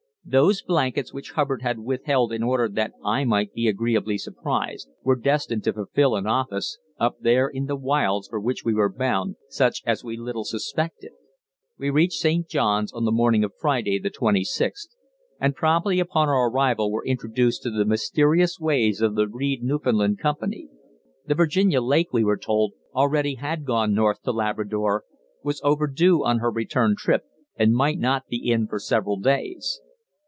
Those blankets which Hubbard had withheld in order that I might be agreeably surprised, were destined to fulfil an office, up there in the wilds for which we were bound, such as we little suspected. We reached St. Johns on the morning of Friday, the 26th, and promptly upon our arrival were introduced to the mysterious ways of the Reid Newfoundland Company. The Virginia Lake, we were told, already had gone north to Labrador, was overdue on her return trip and might not be in for several days.